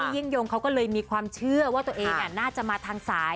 ยิ่งยงเขาก็เลยมีความเชื่อว่าตัวเองน่าจะมาทางสาย